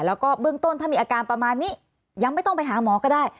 แล้วก็เบื้องต้นถ้ามีอาการประมาณนี้ยังไม่ต้องไปหาหมอก็ได้